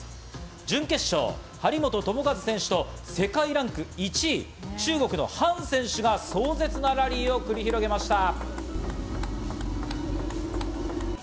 準決勝、張本智和選手と世界ランク１位中国のハン選手が、壮絶なラリーを繰り広げました。